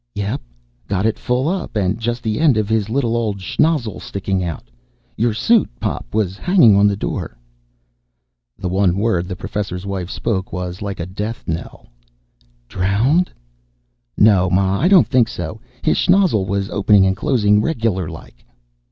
"Yep. Got it full up and just the end of his little old schnozzle sticking out. Your suit, Pop, was hanging on the door." The one word the Professor's Wife spoke was like a death knell. "Drowned!" "No, Ma, I don't think so. His schnozzle was opening and closing regular like."